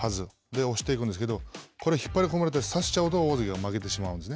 押していくんですけど、引っ張り込まれて差しちゃうと大関が負けてしまうんですね。